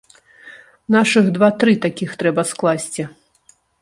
Нашых два-тры такіх трэба скласці!